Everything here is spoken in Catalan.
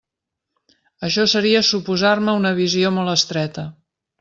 Això seria suposar-me una visió molt estreta.